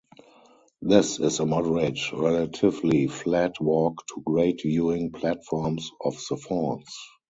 This is a moderate relatively flat walk to great viewing platforms of the falls.